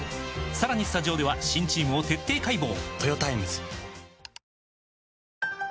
さらにスタジオでは新チームを徹底解剖！